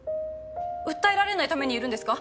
訴えられないためにいるんですか？